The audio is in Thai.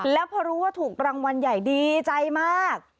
แล้วพอรู้ว่าถูกรางวัลใหญ่ดีใจมาก